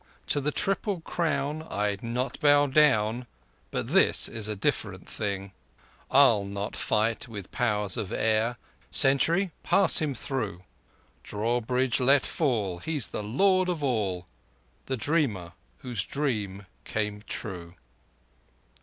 To the Triple Crown I'd not bow down— But this is a different thing! I'll not fight with the Powers of Air— Sentries pass him through! Drawbridge let fall—He's the Lord of us all— The Dreamer whose dream came true!